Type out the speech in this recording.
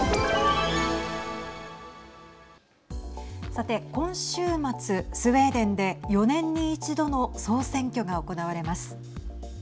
さて、今週末スウェーデンで４年に１度の総選挙が行われます。